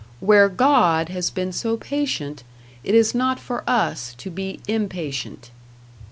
Where God has been so patient, it is not for us to be impatient.